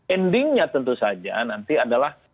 endingnya tentu saja nanti adalah